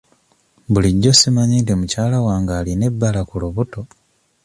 Bulijjo simanyi nti mukyala wange alina ebbala ku lubuto.